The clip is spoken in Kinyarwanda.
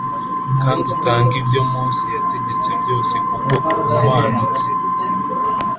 kandi utange ibyo Mose yategetse byose kuko uhumanutse